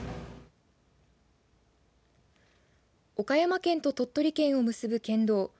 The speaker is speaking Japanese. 岡山県と鳥取県を結ぶ県道